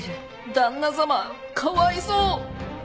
旦那様かわいそう！